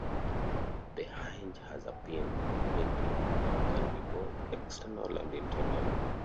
The hinge has a pin "pintle" and can be both external and internal.